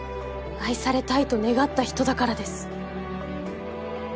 愛されたいと願った人だからです。